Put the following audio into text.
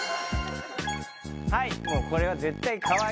はい！